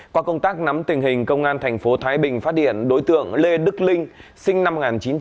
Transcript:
qua công tác nắm tình hình công an thành phố thái bình phát điển đối tượng lê đức linh sinh năm một nghìn chín trăm chín mươi hai